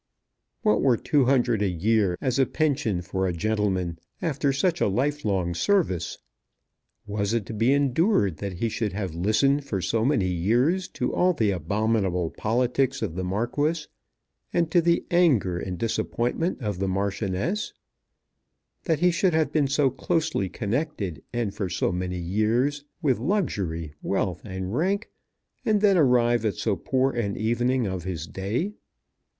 What were two hundred a year as a pension for a gentleman after such a life long service? Was it to be endured that he should have listened for so many years to all the abominable politics of the Marquis, and to the anger and disappointment of the Marchioness, that he should have been so closely connected, and for so many years, with luxury, wealth, and rank, and then arrive at so poor an evening of his day?